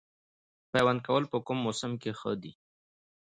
پیوند کول په کوم موسم کې ښه دي؟